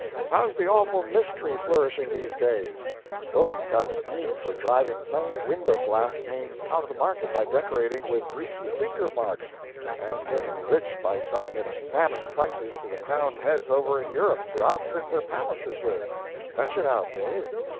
How's the Awful Mystery flourishing these days? Wilson's got a scheme for driving plain window glass out of the market by decorating it with greasy finger marks, and getting rich by selling it at famine prices to the crowned heads over in Europe to outfit their palaces with. Fetch it out, Dave."